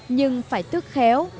nhưng phải tước khéo